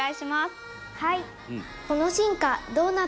はい。